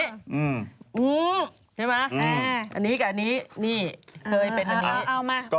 ใช่ไหมอันนี้กับอันนี้นี่เบอร์ยเป็นอันนี้เอามาอันนี้ดีกว่า